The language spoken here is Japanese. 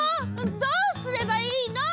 どうすればいいの！